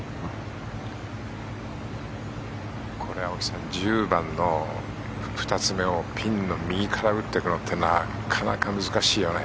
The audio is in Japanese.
青木さん１０番の２つ目をピンの右から打っていくのってなかなか難しいよね。